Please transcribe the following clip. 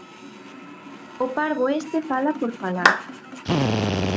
O parvo este fala por falar